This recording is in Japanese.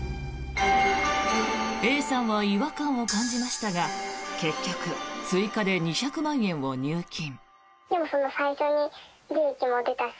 Ａさんは違和感を感じましたが結局、追加で２００万円を入金。